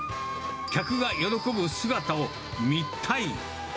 客が喜ぶ姿を見たい。